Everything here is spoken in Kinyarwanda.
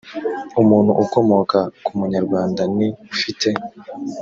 umuntu ukomoka ku munyarwanda ni ufite